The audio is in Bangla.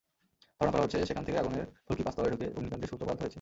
ধারণা করা হচ্ছে, সেখান থেকে আগুনের ফুলকি পাঁচতলায় ঢুকে অগ্নিকাণ্ডের সূত্রপাত হয়েছে।